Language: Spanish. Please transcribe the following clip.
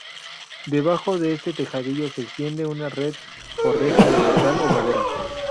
Debajo de este tejadillo se extiende una red o reja de metal o madera.